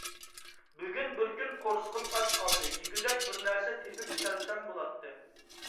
بۈگۈن بىر كۈن قورسىقىم ئاچ قالدى، يېگۈدەك بىرنەرسە تېپىپ كەلسەڭ بولاتتى.